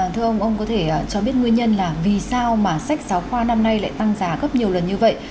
thưa ông ông có thể cho biết nguyên nhân là vì sao mà sách giáo khoa năm nay lại tăng giá gấp nhiều lần như vậy